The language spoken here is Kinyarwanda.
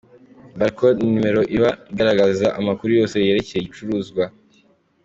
Barcode ni nimero iba igaragaza amakuru yose yerekeye igicuruzwa.